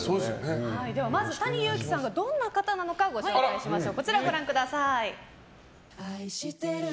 ＴａｎｉＹｕｕｋｉさんがどんな方なのかご紹介しましょう。